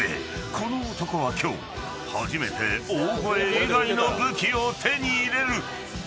この男は今日初めて大声以外の武器を手に入れる。